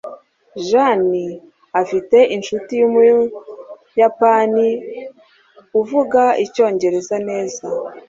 Jane afite inshuti yumuyapani uvuga icyongereza neza.